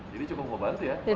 jadi cukup menggabantu ya